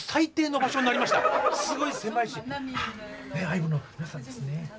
ＩＶＥの皆さんですね